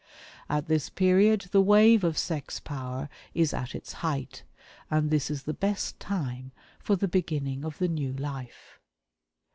At this period the wave of sex power is at its height, and this is the best time for the beginning of the new life.